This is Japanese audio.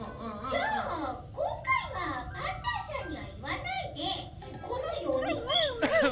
じゃあこんかいはパンタンさんにはいわないでこの４にんでいく？